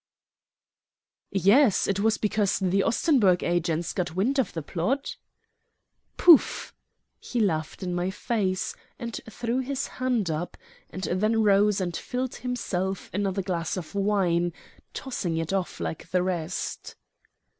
"Yes, it was because the Ostenburg agents got wind of the plot." "Pouf!" He laughed in my face and threw his hand up, and then rose and filled himself another glass of wine, tossing it off like the rest.